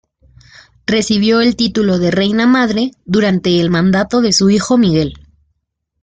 Recibió el título de reina madre durante el mandato de su hijo Miguel.